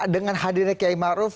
dengan hadirnya kiai ma'ruf